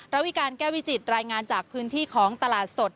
ระวิการแก้วิจิตรายงานจากพื้นที่ของตลาดสด